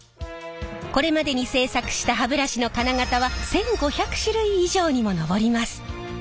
これまでに製作した歯ブラシの金型は１，５００種類以上にも上ります。